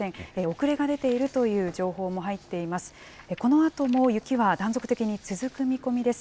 遅れが出ているという情報も入っています。